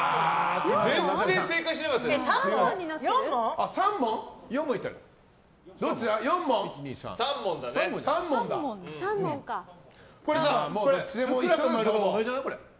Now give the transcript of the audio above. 全然正解してなかったじゃん！